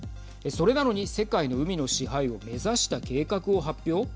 それなのに世界の海の支配を目指した計画を発表。